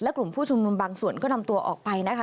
กลุ่มผู้ชุมนุมบางส่วนก็นำตัวออกไปนะคะ